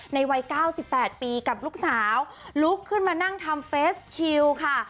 ในวัยเก้าสิบแปดปีกับลูกสาวลุกขึ้นมานั่งทำเฟสชิลค่ะ